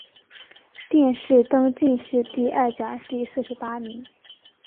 殿试登进士第二甲第四十八名。